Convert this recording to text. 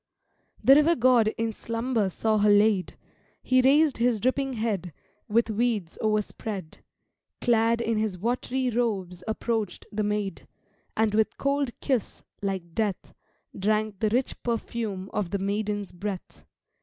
The River God in slumber saw her laid: He raised his dripping head, With weeds o'erspread, Clad in his wat'ry robes approach'd the maid, And with cold kiss, like death, Drank the rich perfume of the maiden's breath.